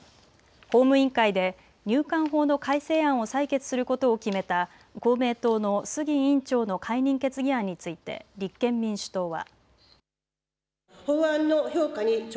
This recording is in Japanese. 法務委員会で入管法の改正案を採決することを決めた公明党の杉委員長の解任決議案について立憲民主党は。